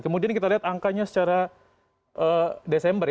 kemudian kita lihat angkanya secara desember ya